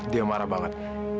dia marah banget